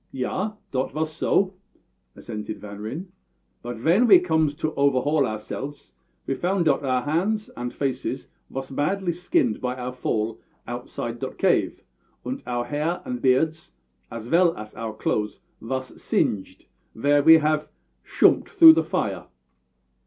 "Yah, dot vas so," assented Van Ryn. "But vhen ve comes to overhaul ourselfs ve found dot our hands and faces vas badly skinned by our fall outside dot cave, und our hair and beards, as vell as our clothes, vas singed vhere ve had shoomped through the fire."